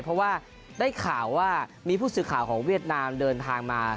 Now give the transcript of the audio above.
เพราะว่าได้ข่าวว่ามีผู้สื่อข่าวของเวียดนามเดินทางมา